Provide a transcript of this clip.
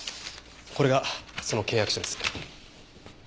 これがその契約書です。